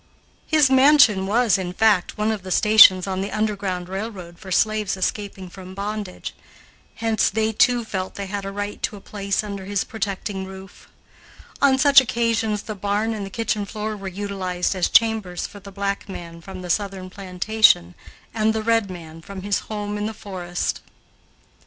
His mansion was, in fact, one of the stations on the "underground railroad" for slaves escaping from bondage. Hence they, too, felt that they had a right to a place under his protecting roof. On such occasions the barn and the kitchen floor were utilized as chambers for the black man from the southern plantation and the red man from his home in the forest.